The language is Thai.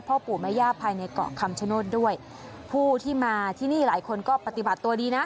พ่อปู่แม่ย่าภายในเกาะคำชโนธด้วยผู้ที่มาที่นี่หลายคนก็ปฏิบัติตัวดีนะ